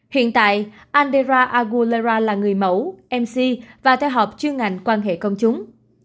hiện tại andré aguilera là người mẫu mc và theo hợp chương ngành quan hệ công chúng